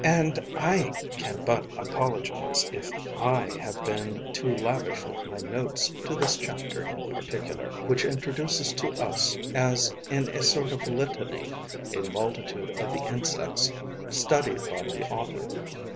And I can but apologize if I have been too lavish with my notes to this chapter in particular, which introduces to us, as in a sort of litany, a multitude of the insects studied by the author.